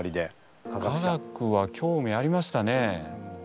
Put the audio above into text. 科学は興味ありましたね。